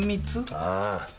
ああ。